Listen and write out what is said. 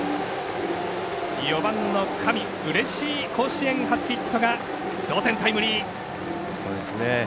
４番の上うれしい甲子園初ヒットが同点タイムリー。